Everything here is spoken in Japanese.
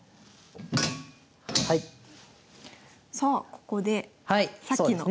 さあここでさっきの。